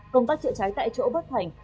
công tác chữa cháy tại chỗ bất thành